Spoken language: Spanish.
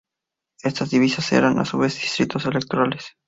Estas divisiones eran, a su vez, distritos electorales.